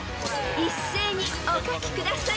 ［一斉にお書きください］